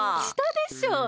したでしょ。